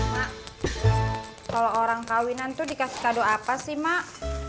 mak kalau orang kawinan itu dikasih kado apa sih mak